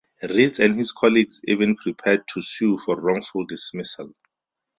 Ritz and his colleagues even prepared to sue for wrongful dismissal.